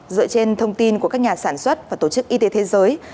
dựa trên thông tin của các nhà sản xuất và tổ chức y tế thế giới